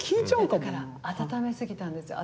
だから温めすぎたんですよ。